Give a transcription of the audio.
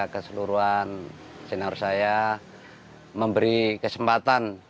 keseluruhan senior saya memberi kesempatan